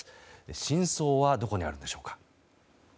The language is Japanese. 真相はどこにあるんでしょうか。